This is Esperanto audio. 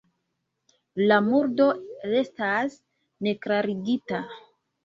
La murdo restas neklarigita.